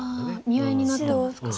見合いになってますか。